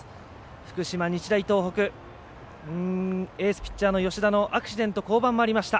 福島、日大東北エースピッチャーの吉田のアクシデント降板もありました。